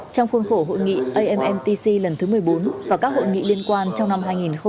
trong khuôn khổ hội nghị ammtc lần thứ một mươi bốn và các hội nghị liên quan trong năm hai nghìn hai mươi